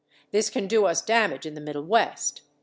. This can do us damage in the Middle West